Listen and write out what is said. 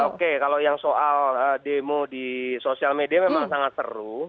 oke kalau yang soal demo di sosial media memang sangat seru